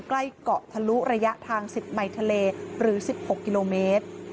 ใกล้เกาะทะลุระยะทาง๑๐ไมค์ทะเลหรือ๑๖กิโลเมตร